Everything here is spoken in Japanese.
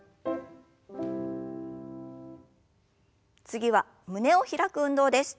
次は胸を開く運動です。